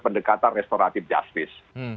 pendekatan restoratif justice